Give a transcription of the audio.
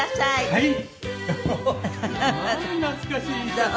はい。